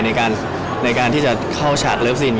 ในการที่จะเข้าฉากเลิฟซีน